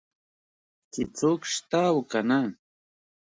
چې څوک شته او که نه.